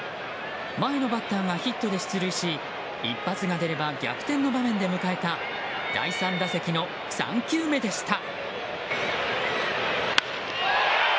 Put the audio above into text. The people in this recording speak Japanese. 前のバッターがヒットで出塁し一発が出れば逆転の場面で迎えた第３打席の３球目でした。